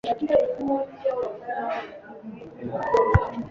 Ibi ni bibi kubuzima bwawe.